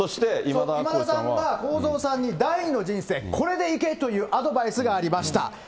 今田さんは公造さんに、第２の人生これでいけというアドバイスがありました。